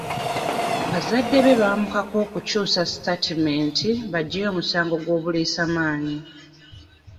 Bazadde be baamukaka okukyusa sitatimenti aggyeyo omusango gw'obuliisamaanyi.